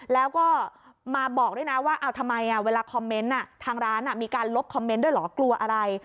แล้วก็มาบอกด้วยนะว่าเอาทำไมเวลาคอมเมนต์ทางร้านมีการลบคอมเมนต์ด้วยเหรอกลัวอะไร